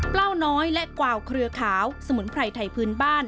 ล้าน้อยและกวาวเครือขาวสมุนไพรไทยพื้นบ้าน